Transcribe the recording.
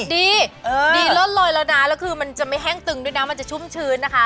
ดีดีลดลอยแล้วนะแล้วคือมันจะไม่แห้งตึงด้วยนะมันจะชุ่มชื้นนะคะ